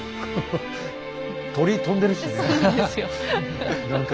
鳥飛んでるしね。